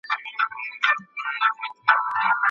د ملت او قبیلو ترمنځ فهم اړین دی.